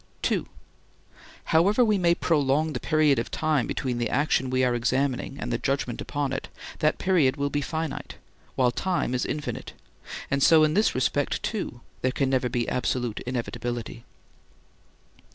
(2) However we may prolong the period of time between the action we are examining and the judgment upon it, that period will be finite, while time is infinite, and so in this respect too there can never be absolute inevitability.